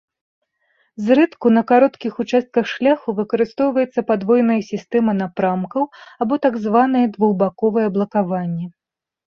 Зрэдку на кароткіх участках шляху выкарыстоўваецца падвойная сістэма напрамкаў або так званае двухбаковае блакаванне.